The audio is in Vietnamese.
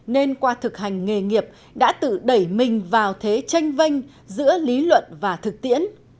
nên qua thực hành nghề nghiệp đã tự đẩy mình vào thế tranh vanh giữa lý luận và thực tiễn